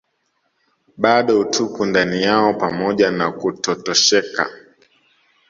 bado utupu ndani yao pamoja na kutotosheka